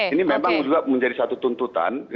ini memang juga menjadi satu tuntutan